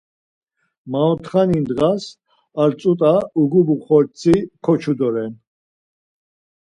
Maotxani ndğas ar ç̌ut̆a ugubu xortzi koçu doren.